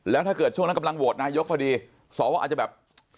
แล้วถ้าเกิดช่วงนั้นกำลังโหวตนายกพอดีสวอาจจะแบบ